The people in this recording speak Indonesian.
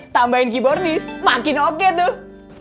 tambahin keyboardis makin oke tuh